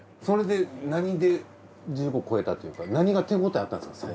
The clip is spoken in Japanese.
それで何で１５超えたというか何が手応えあったんですか？